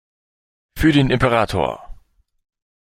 Für den Imperator!